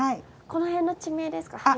このへんの地名ですか？